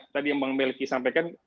tadi yang bang melki sampaikan